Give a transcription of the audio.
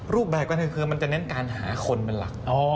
รูปแบบก็คือมันจะเน้นการหาคนเป็นหลัก